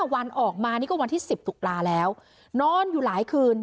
วันออกมานี่ก็วันที่๑๐ตุลาแล้วนอนอยู่หลายคืน